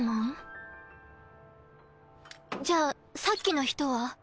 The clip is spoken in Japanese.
じゃあさっきの人は？